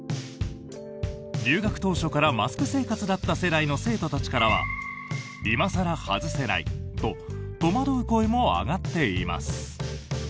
入学当初からマスク生活だった世代の生徒たちからは今更外せないと戸惑う声も上がっています。